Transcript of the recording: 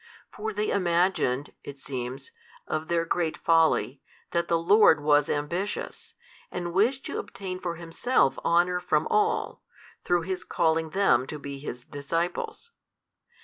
For they imagined (it seems) of their great folly that the Lord was ambitious, and wished to obtain for Himself honour from all, through His calling them to be His disciples.